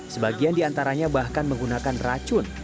sebagian di antaranya bahkan menggunakan racun